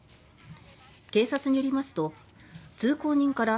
警察によりますと通行人から